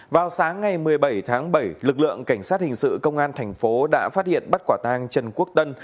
vào sáng ngày một mươi bảy tháng bảy lực lượng cảnh sát hình sự công an thành phố đã phát hiện bắt quả tang trần quốc tân